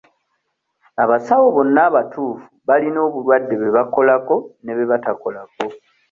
Abasawo bonna abatuufu balina obulwadde bwe bakolako ne bwe batakolako.